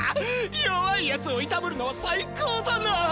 弱いヤツをいたぶるのは最高だな！